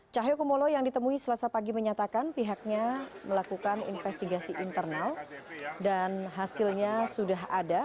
cahyokumolo yang ditemui selasa pagi menyatakan pihaknya melakukan investigasi internal dan hasilnya sudah ada